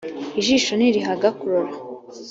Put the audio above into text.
ijisho ntirihaga kurora